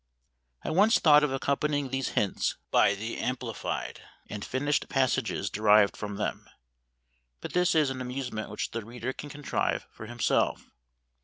I once thought of accompanying these hints by the amplified and finished passages derived from them; but this is an amusement which the reader can contrive for himself.